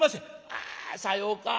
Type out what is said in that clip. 「あさようか。